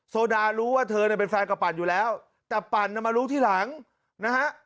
โซดารู้ว่าเธอเนี่ยเป็นแฟนกับปั่นอยู่แล้วแต่ปั่นมารู้ทีหลังนะฮะ